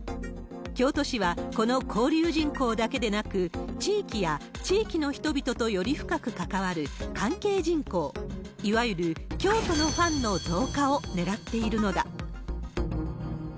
京都市はこの交流人口だけでなく、地域や地域の人々とより深く関わる関係人口、いわゆる京都のファンの増加をねらっているのだ。